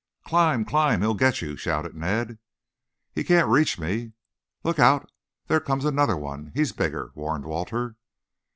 "Climb, climb! He'll get you!" shouted Ned. "He can't reach me." "Look out. There comes another one. He is bigger!" warned Walter.